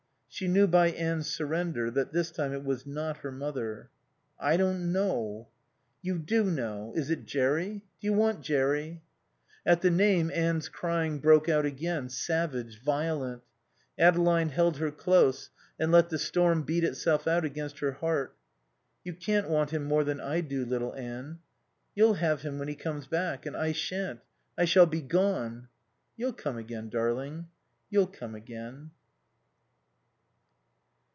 She knew by Anne's surrender that, this time, it was not her mother. "I don't know." "You do know. Is it Jerry? Do you want Jerry?" At the name Anne's crying broke out again, savage, violent. Adeline held her close and let the storm beat itself out against her heart. "You can't want him more than I do, little Anne." "You'll have him when he comes back. And I shan't. I shall be gone." "You'll come again, darling. You'll come again."